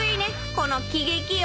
この喜劇王。